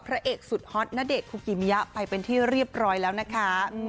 พระเอกสุดฮอตณเดชนคุกิมิยะไปเป็นที่เรียบร้อยแล้วนะคะ